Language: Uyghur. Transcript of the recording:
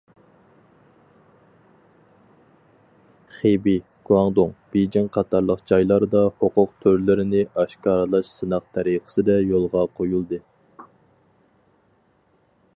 خېبېي، گۇاڭدۇڭ، بېيجىڭ قاتارلىق جايلاردا ھوقۇق تۈرلىرىنى ئاشكارىلاش سىناق تەرىقىسىدە يولغا قويۇلدى.